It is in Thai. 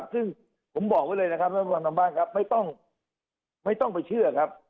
ซึ่งผมบอกไว้เลยนะครับไม่ต้องไปเชื่อครับ